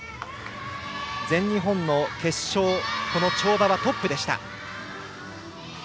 全日本の決勝、この跳馬はトップでした。